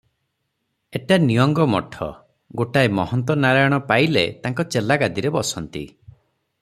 ଏଟା ନିଅଙ୍ଗ ମଠ, ଗୋଟାଏ ମହନ୍ତ ନାରାୟଣ ପାଇଲେ ତାଙ୍କ ଚେଲା ଗାଦିରେ ବସନ୍ତି ।